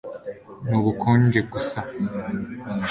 nubukonje gusa